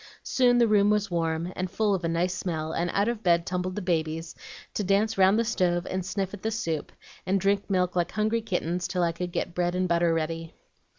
Soon the room was warm, and full of a nice smell, and out of bed tumbled 'the babies,' to dance round the stove and sniff at the soup, and drink milk like hungry kittens, till I could get bread and butter ready.